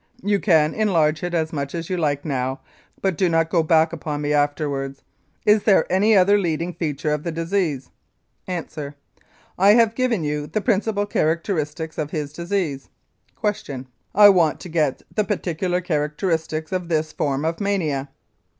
You can enlarge it as much as you like now, but do not go back upon me afterwards. Is there any other leading feature of the disease? A. I have given you the principal characteristics of his disease. Q. I want to get the peculiar characteristic of this form of mania.